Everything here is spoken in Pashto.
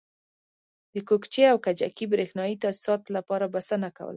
د کوکچې او کجکي برېښنایي تاسیساتو لپاره بسنه کوله.